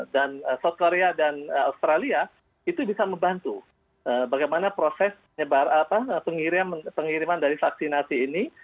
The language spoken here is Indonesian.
dan south korea dan australia itu bisa membantu bagaimana proses pengiriman dari vaksinasi ini